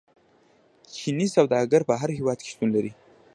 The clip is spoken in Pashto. چیني سوداګر په هر هیواد کې شتون لري.